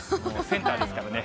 センターですからね。